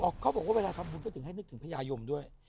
เขาบอกว่าเวลาทำบุญก็ถึงให้นึกถึงพญายมด้วย